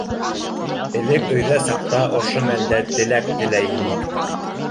Элек өйҙә саҡта ошо мәлдә теләк теләй инек.